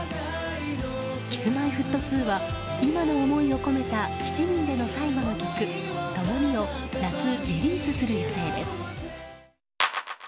Ｋｉｓ‐Ｍｙ‐Ｆｔ２は今の思いを込めた７人での最後の曲「ともに」を夏リリースする予定です。